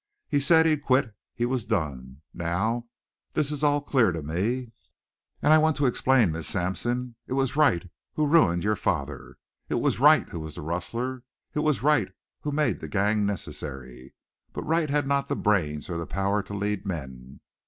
He said he quit; he was done. Now, this is all clear to me, and I want to explain, Miss Sampson. It was Wright who ruined your father. It was Wright who was the rustler. It was Wright who made the gang necessary. But Wright had not the brains or the power to lead men.